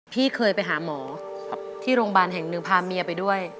พี่เคยไปหาหมอที่โรงพยาบาลแห่งหนึ่งพาเมียไปด้วย